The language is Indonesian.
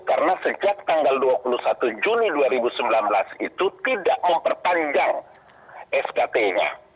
karena sejak tanggal dua puluh satu juni dua ribu sembilan belas itu tidak memperpanjang skt nya